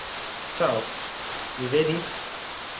Ciao... mi vedi?